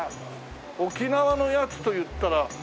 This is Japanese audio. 沖縄のやつといったら。